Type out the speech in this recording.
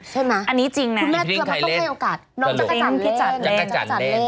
ใช่ไหมคุณแม่ต้องให้โอกาสน้องจักรจันเล่นจักรจันเล่นคุณแม่ใครเล่น